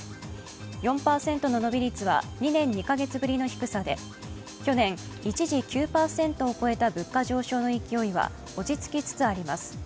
４％の伸び率は２年２か月ぶりの低さで去年、一時９％を超えた物価上昇の勢いは落ち着きつつあります。